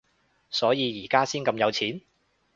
所以而家先咁有錢？